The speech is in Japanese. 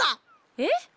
えっ！？